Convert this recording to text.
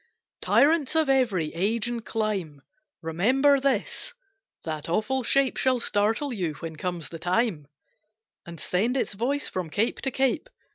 Tyrants of every age and clime Remember this, that awful shape Shall startle you when comes the time, And send its voice from cape to cape.